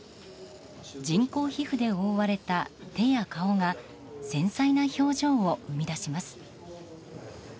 人工皮膚で覆われた手や顔が繊細な表情を生み出します。